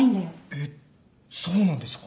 えっそうなんですか？